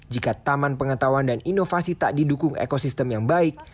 jika taman pengetahuan dan inovasi tak didukung ekosistem yang baik